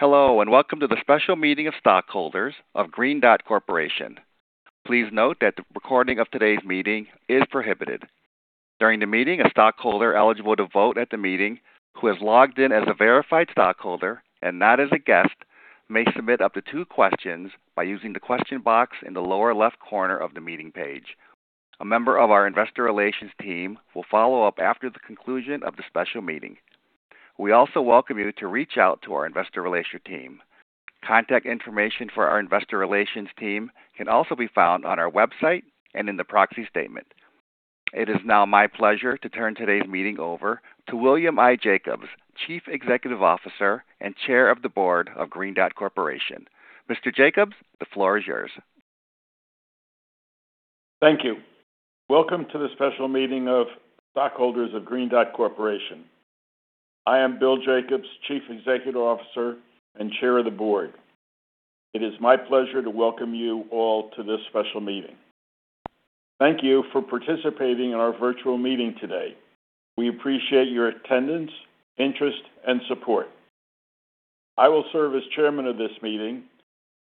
Hello, welcome to the special meeting of stockholders of Green Dot Corporation. Please note that the recording of today's meeting is prohibited. During the meeting, a stockholder eligible to vote at the meeting who has logged in as a verified stockholder and not as a guest may submit up to two questions by using the question box in the lower left corner of the meeting page. A member of our investor relations team will follow up after the conclusion of the special meeting. We also welcome you to reach out to our investor relations team. Contact information for our investor relations team can also be found on our website and in the proxy statement. It is now my pleasure to turn today's meeting over to William I. Jacobs, Chief Executive Officer and Chair of the Board of Green Dot Corporation. Mr. Jacobs, the floor is yours. Thank you. Welcome to the special meeting of stockholders of Green Dot Corporation. I am Bill Jacobs, Chief Executive Officer and Chair of the Board. It is my pleasure to welcome you all to this special meeting. Thank you for participating in our virtual meeting today. We appreciate your attendance, interest and support. I will serve as Chairman of this meeting.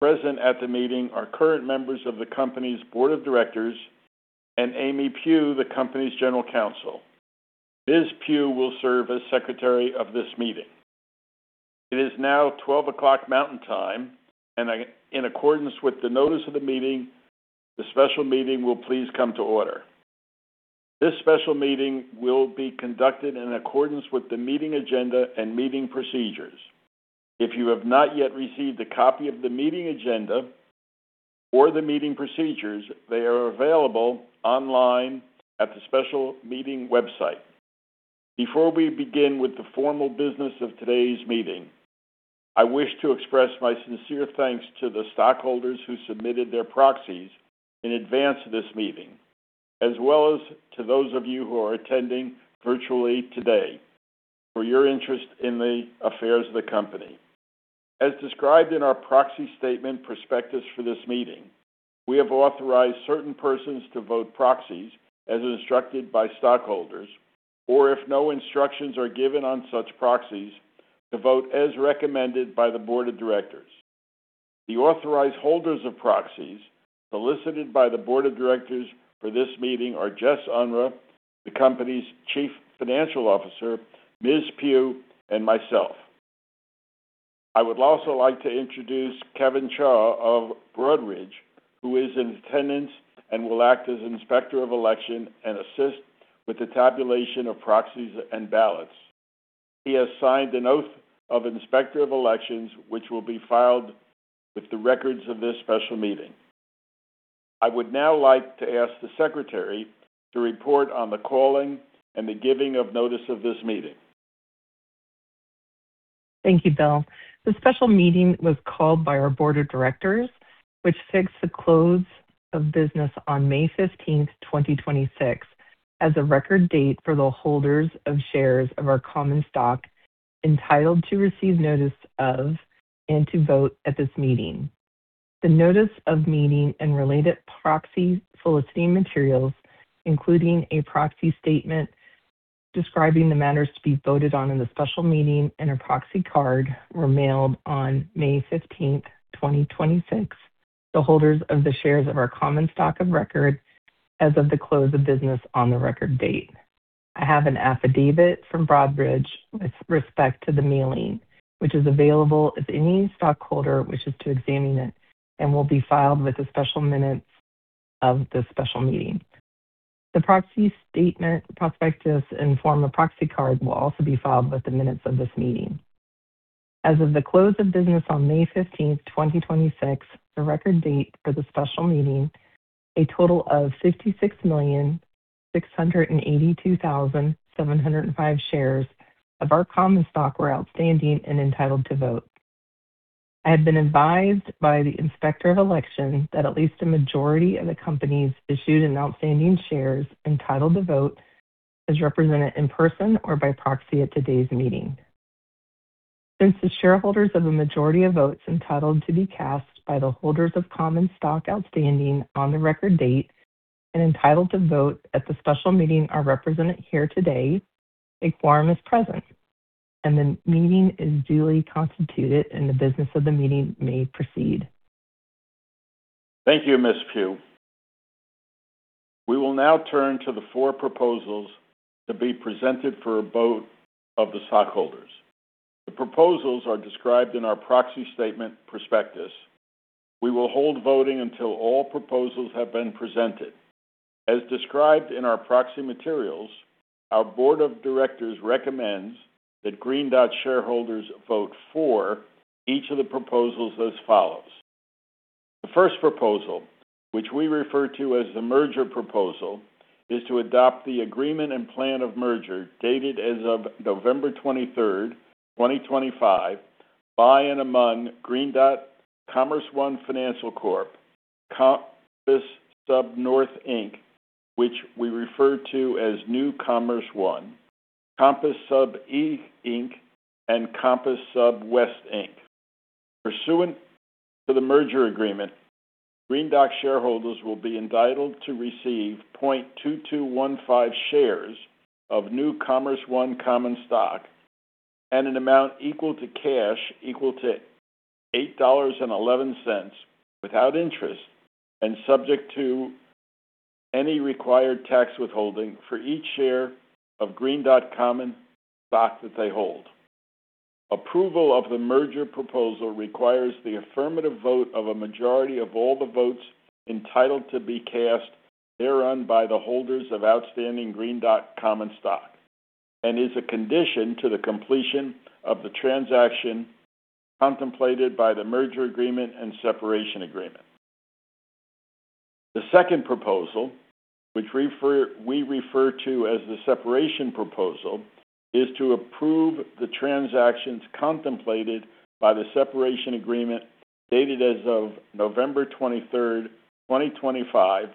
Present at the meeting are current members of the company's Board of Directors and Amy Pugh, the company's General Counsel. Ms. Pugh will serve as Secretary of this meeting. It is now 12 o'clock Mountain Time, and in accordance with the notice of the meeting, the special meeting will please come to order. This special meeting will be conducted in accordance with the meeting agenda and meeting procedures. If you have not yet received a copy of the meeting agenda or the meeting procedures, they are available online at the special meeting website. Before we begin with the formal business of today's meeting, I wish to express my sincere thanks to the stockholders who submitted their proxies in advance of this meeting, as well as to those of you who are attending virtually today for your interest in the affairs of the company. As described in our proxy statement prospectus for this meeting, we have authorized certain persons to vote proxies as instructed by stockholders, or if no instructions are given on such proxies, to vote as recommended by the Board of Directors. The authorized holders of proxies solicited by the Board of Directors for this meeting are Jess Unruh, the company's Chief Financial Officer, Ms. Pugh, and myself. I would also like to introduce Kevin Chau of Broadridge, who is in attendance and will act as Inspector of Election and assist with the tabulation of proxies and ballots. He has signed an oath of Inspector of Elections, which will be filed with the records of this special meeting. I would now like to ask the Secretary to report on the calling and the giving of notice of this meeting. Thank you, Bill. The special meeting was called by our board of directors, which fixed the close of business on May 15th, 2026, as a record date for the holders of shares of our common stock entitled to receive notice of and to vote at this meeting. The notice of meeting and related proxy soliciting materials, including a proxy statement describing the matters to be voted on in the special meeting and a proxy card, were mailed on May 15th, 2026. The holders of the shares of our common stock of record as of the close of business on the record date. I have an affidavit from Broadridge with respect to the mailing, which is available if any stockholder wishes to examine it and will be filed with the special minutes of this special meeting. The proxy statement prospectus and form of proxy card will also be filed with the minutes of this meeting. As of the close of business on May 15th, 2026, the record date for the special meeting, a total of 56,682,705 shares of our common stock were outstanding and entitled to vote. I have been advised by the Inspector of Election that at least a majority of the company's issued and outstanding shares entitled to vote, as represented in person or by proxy at today's meeting. Since the shareholders of a majority of votes entitled to be cast by the holders of common stock outstanding on the record date and entitled to vote at the special meeting are represented here today, a quorum is present, and the meeting is duly constituted, and the business of the meeting may proceed. Thank you, Ms. Pugh. We will now turn to the four proposals to be presented for a vote of the stockholders. The proposals are described in our proxy statement prospectus. We will hold voting until all proposals have been presented. As described in our proxy materials, our board of directors recommends that Green Dot shareholders vote for each of the proposals as follows. The first proposal, which we refer to as the merger proposal, is to adopt the agreement and plan of merger dated as of November 23rd, 2025, by and among Green Dot, CommerceOne Financial Corp, Compass Sub North, Inc., which we refer to as New CommerceOne, Compass Sub East, Inc., and Compass Sub West, Inc. Pursuant For the merger agreement, Green Dot shareholders will be entitled to receive 0.2215 shares of New CommerceOne common stock and an amount equal to cash equal to $8.11 without interest, and subject to any required tax withholding for each share of Green Dot common stock that they hold. Approval of the merger proposal requires the affirmative vote of a majority of all the votes entitled to be cast thereon by the holders of outstanding Green Dot common stock and is a condition to the completion of the transaction contemplated by the merger agreement and separation agreement. The second proposal, which we refer to as the separation proposal, is to approve the transactions contemplated by the separation agreement dated as of November 23rd, 2025,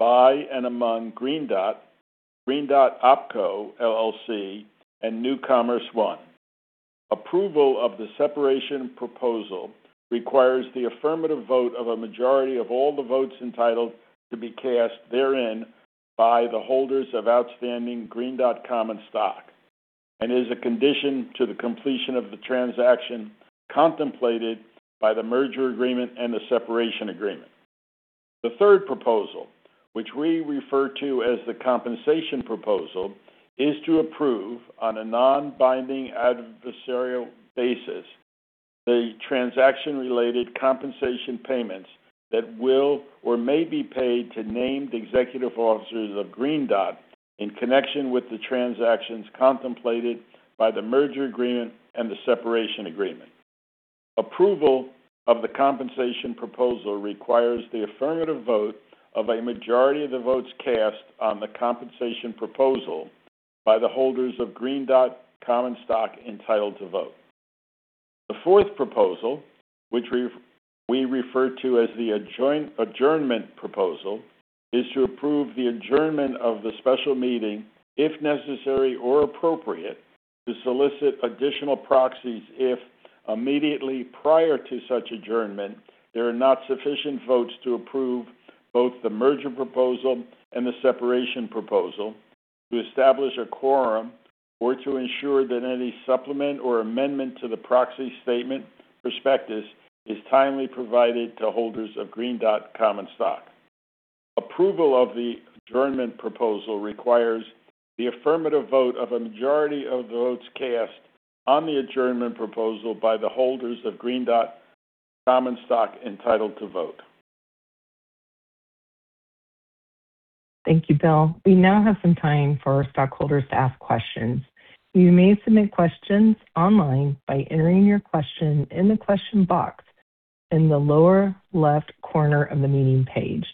by and among Green Dot, Green Dot OpCo, LLC, and New CommerceOne. Approval of the separation proposal requires the affirmative vote of a majority of all the votes entitled to be cast therein by the holders of outstanding Green Dot common stock and is a condition to the completion of the transaction contemplated by the merger agreement and the separation agreement. The third proposal, which we refer to as the compensation proposal, is to approve on a non-binding, advisory basis the transaction-related compensation payments that will or may be paid to named executive officers of Green Dot in connection with the transactions contemplated by the merger agreement and the separation agreement. Approval of the compensation proposal requires the affirmative vote of a majority of the votes cast on the compensation proposal by the holders of Green Dot common stock entitled to vote. The fourth proposal, which we refer to as the adjournment proposal, is to approve the adjournment of the special meeting, if necessary or appropriate, to solicit additional proxies if immediately prior to such adjournment, there are not sufficient votes to approve both the merger proposal and the separation proposal to establish a quorum or to ensure that any supplement or amendment to the proxy statement prospectus is timely provided to holders of Green Dot common stock. Approval of the adjournment proposal requires the affirmative vote of a majority of the votes cast on the adjournment proposal by the holders of Green Dot common stock entitled to vote. Thank you, Bill. We now have some time for stockholders to ask questions. You may submit questions online by entering your question in the question box in the lower left corner of the meeting page.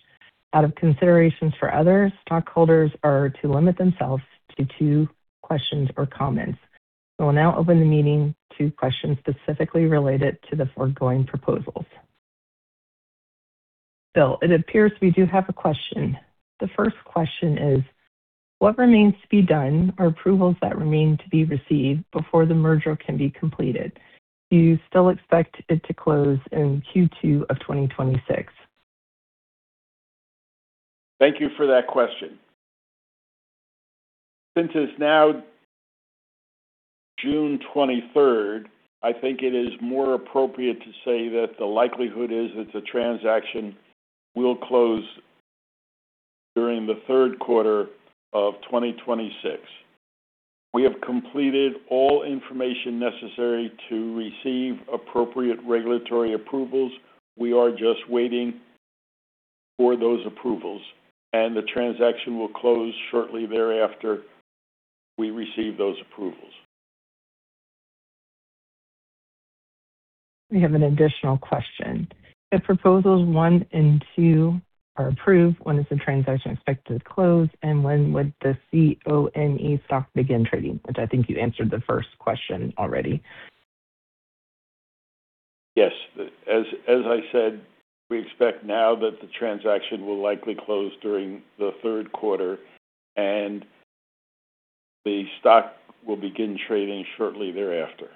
Out of considerations for others, stockholders are to limit themselves to two questions or comments. We will now open the meeting to questions specifically related to the foregoing proposals. Bill, it appears we do have a question. The first question is, what remains to be done or approvals that remain to be received before the merger can be completed? Do you still expect it to close in Q2 of 2026? Thank you for that question. Since it's now June 23rd, I think it is more appropriate to say that the likelihood is that the transaction will close during the third quarter of 2026. We have completed all information necessary to receive appropriate regulatory approvals. We are just waiting for those approvals, and the transaction will close shortly thereafter we receive those approvals. We have an additional question. If proposals one and two are approved, when is the transaction expected to close, and when would the CONE stock begin trading? Which I think you answered the first question already. Yes. As I said, we expect now that the transaction will likely close during the third quarter, and the stock will begin trading shortly thereafter.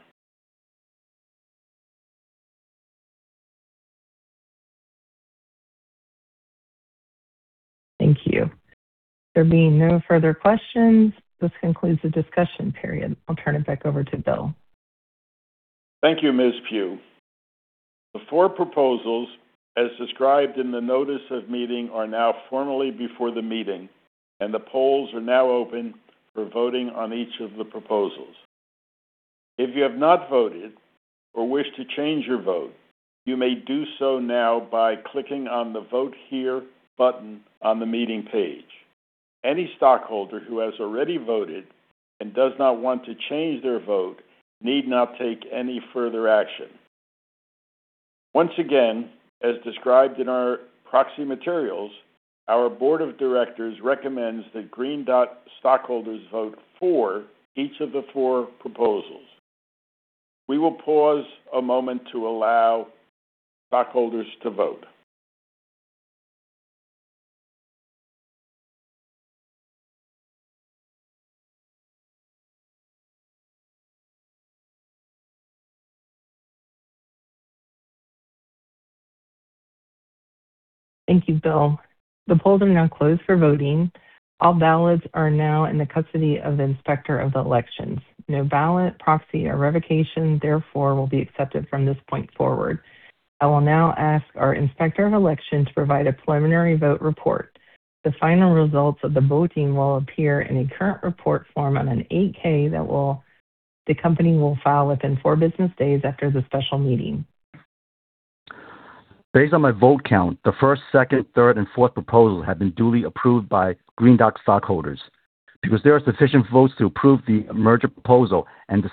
Thank you. There being no further questions, this concludes the discussion period. I'll turn it back over to Bill. Thank you, Ms. Pugh. The four proposals, as described in the notice of meeting, are now formally before the meeting. The polls are now open for voting on each of the proposals. If you have not voted or wish to change your vote, you may do so now by clicking on the Vote Here button on the meeting page. Any stockholder who has already voted and does not want to change their vote need not take any further action. Once again, as described in our proxy materials, our board of directors recommends that Green Dot stockholders vote for each of the four proposals. We will pause a moment to allow stockholders to vote. Thank you, Bill. The polls are now closed for voting. All ballots are now in the custody of the Inspector of the Elections. No ballot, proxy, or revocation, therefore, will be accepted from this point forward. I will now ask our Inspector of Election to provide a preliminary vote report. The final results of the voting will appear in a current report form on an 8-K that the company will file within four business days after the special meeting. Based on my vote count, the first, second, third, and fourth proposals have been duly approved by Green Dot stockholders. Because there are sufficient votes to approve the merger proposal and the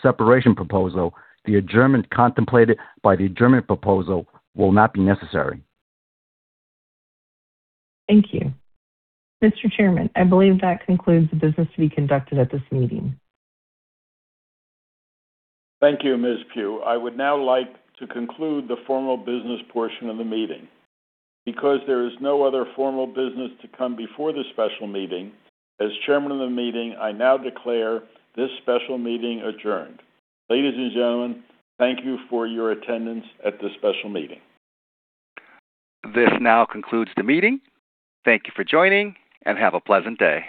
separation proposal, the adjournment contemplated by the adjournment proposal will not be necessary. Thank you. Mr. Chairman, I believe that concludes the business to be conducted at this meeting. Thank you, Ms. Pugh. I would now like to conclude the formal business portion of the meeting. There is no other formal business to come before this special meeting, as chairman of the meeting, I now declare this special meeting adjourned. Ladies and gentlemen, thank you for your attendance at this special meeting. This now concludes the meeting. Thank you for joining, and have a pleasant day.